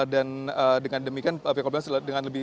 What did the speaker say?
dan dengan demikian pihak korban sudah lihat dengan tepat